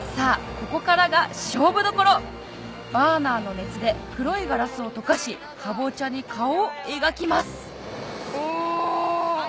ここからが勝負どころバーナーの熱で黒いガラスを溶かしかぼちゃに顔を描きますお。